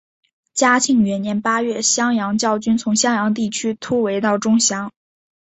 嘉庆元年八月襄阳教军从襄阳地区突围到钟祥。